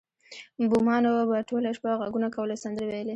بومانو به ټوله شپه غږونه کول او سندرې ویلې